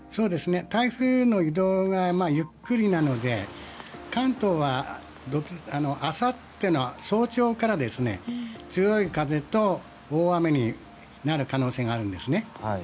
台風の移動がゆっくりなので関東はあさっての早朝から強い風と大雨になる可能性があるんですね。